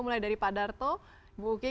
mulai dari pak darto ibu uki